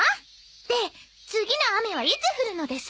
で次の雨はいつ降るのです？